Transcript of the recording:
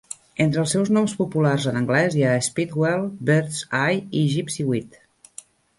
Entre els seus noms populars en anglès hi ha "speedwell", "bird's eye" i "gypsyweed".